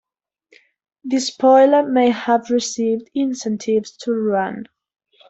The spoiler may have received incentives to run.